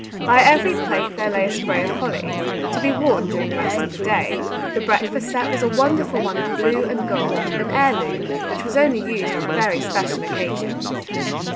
By every plate there lay a spray of holly, to be worn during the rest of the day. The breakfast set was a wonderful one of blue and gold, an heirloom, which was only used on very special occasions.